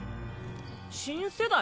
新世代？